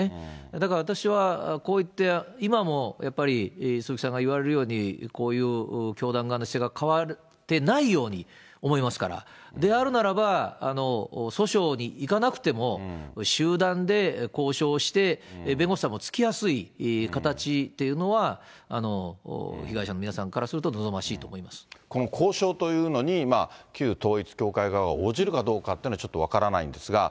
だから、私はこういって今もやっぱり鈴木さんが言われるように、こういう教団側の姿勢が変わってないように思いますから、であるならば、訴訟にいかなくても、集団で交渉して、弁護士さんもつきやすい形というのは、被害者の皆さんからすると、交渉というのに、旧統一教会側は応じるかどうかっていうのは、ちょっと分からないんですが。